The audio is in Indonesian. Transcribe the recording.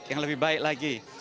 yang lebih baik lagi